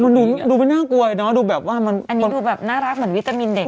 ดูไม่น่ากลัวเนอะดูแบบว่ามันอันนี้ดูแบบน่ารักเหมือนวิตามินเด็ก